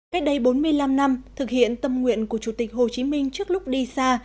cách đây bốn mươi năm năm thực hiện tâm nguyện của chủ tịch hồ chí minh trước lúc đi xa